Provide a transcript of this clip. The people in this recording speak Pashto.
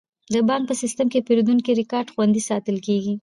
د بانک په سیستم کې د پیرودونکو ریکارډ خوندي ساتل کیږي.